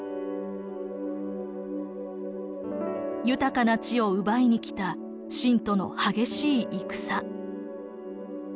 豊かな地を奪いに来た秦との激しい戦。